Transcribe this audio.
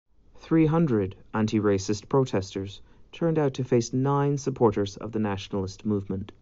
Three hundred anti-racist protesters turned out to face nine supporters of the Nationalist Movement.